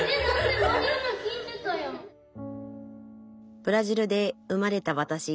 ブラジルで生まれたわたし。